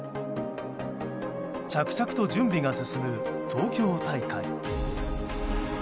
着々と準備が進む東京大会。